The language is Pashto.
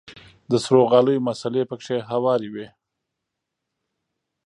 د سرو غاليو مصلې پکښې هوارې وې.